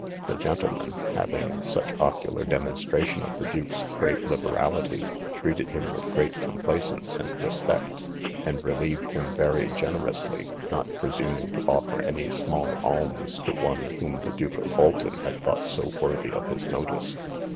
The gentlemen, having such ocular demonstration of the duke's great liberality, treated him with great complaisance and respect, and relieved him very generously, not presuming to offer any small alms to one whom the Duke of Bolton had thought so worthy of his notice.